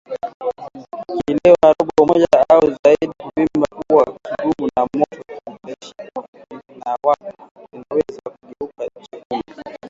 Kiwele robo moja au zaidi kuvimba kuwa kigumu na moto kikishikwa kinaweza kugeuka chekundu